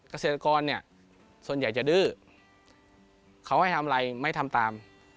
เกษตรกรเนี่ยส่วนใหญ่จะดื้อเขาให้ทำอะไรไม่ทำตาม